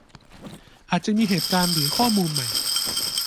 อาจจะมีเหตุการณ์หรือข้อมูลใหม่